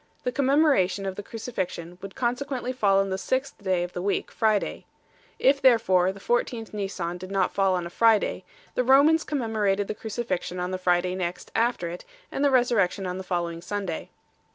The commemoration of the Crucifixion would consequently fall on the sixth day of the week, Friday. If therefore the 14th Nisan did not fall on a Friday, the Romans commemorated the Cruci fixion on the Friday next after it, and the Resurrection on the following Sunday.